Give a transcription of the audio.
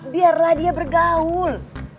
biarlah dia bergaul